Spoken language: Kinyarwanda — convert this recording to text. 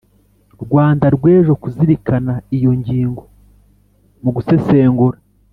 rwanda rw'ejo, kuzirikana iyo ngingo mu gusesengura